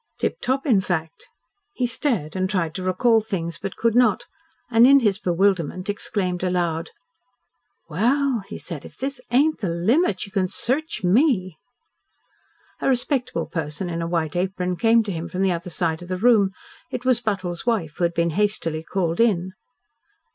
Tip top, in fact? He stared and tried to recall things but could not, and in his bewilderment exclaimed aloud. "Well," he said, "if this ain't the limit! You may search ME!" A respectable person in a white apron came to him from the other side of the room. It was Buttle's wife, who had been hastily called in.